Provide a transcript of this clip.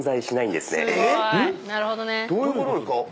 どういうことですか？